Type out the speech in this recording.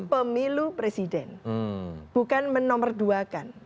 pemilu presiden bukan menomorduakan